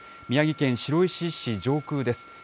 宮城県白石市上空です。